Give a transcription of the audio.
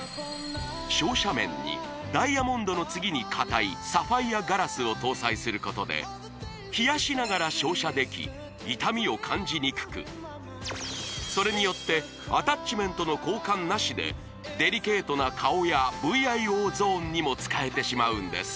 照射面にダイヤモンドの次に硬いサファイアガラスを搭載することで冷やしながら照射でき痛みを感じにくくそれによってアタッチメントの交換なしでデリケートな顔やＶＩＯゾーンにも使えてしまうんです